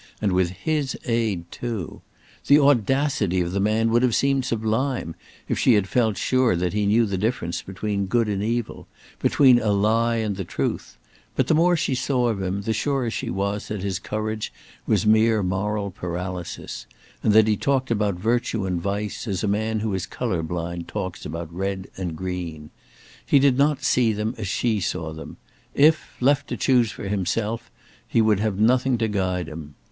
And with his aid too! The audacity of the man would have seemed sublime if she had felt sure that he knew the difference between good and evil, between a lie and the truth; but the more she saw of him, the surer she was that his courage was mere moral paralysis, and that he talked about virtue and vice as a man who is colour blind talks about red and green; he did not see them as she saw them; if left to choose for himself he would have nothing to guide him.